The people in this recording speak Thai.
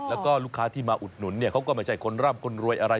แล้วก็ลูกค้าที่มาอุดหนุนเนี่ยเขาก็ไม่ใช่คนร่ำคนรวยอะไร